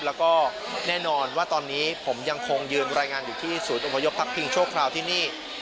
แล้วก็แน่นอนว่าตอนนี้ผมยังคงยืนรายงานอยู่ที่ศูนย์อพยพพักพิงชั่วคราวที่นี่